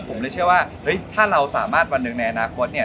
ผมเลยเชื่อว่าเฮ้ยถ้าเราสามารถวันหนึ่งในอนาคตเนี่ย